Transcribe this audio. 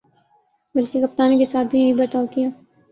بلکہ کپتانی کے ساتھ بھی یہی برتاؤ کیا۔